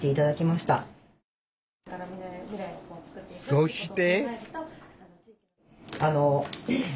そして。